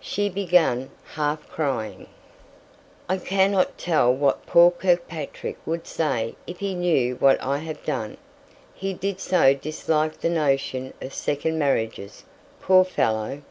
She began, half crying, "I cannot tell what poor Kirkpatrick would say if he knew what I have done. He did so dislike the notion of second marriages, poor fellow!"